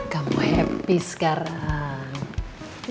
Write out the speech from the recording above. kamu happy sekarang